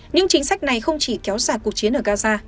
nhưng chính sách này không chỉ kéo giả cuộc chiến ở gaza